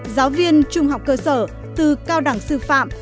giáo viên trung học cơ sở từ cao đẳng sư phạm